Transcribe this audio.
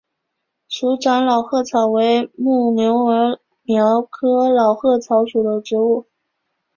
鼠掌老鹳草为牻牛儿苗科老鹳草属的植物。